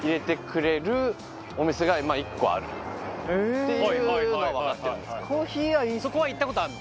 っていうのは分かってるんですけどね。